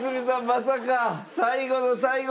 まさか最後の最後。